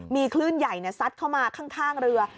มีคลื่นใหญ่ซัดเข้ามาข้างเรือ